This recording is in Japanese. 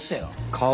顔？